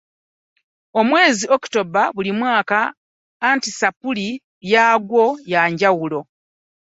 Omwezi October buli mwaka anti Sapule yaagwo yanjawulo.